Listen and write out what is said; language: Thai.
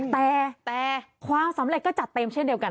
แต่ความสำเร็จก็จัดเต็มเช่นเดียวกัน